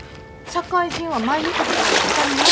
社会人は毎日働いて当たり前。